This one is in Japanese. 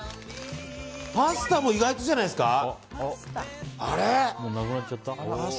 パスタも意外とじゃないですか。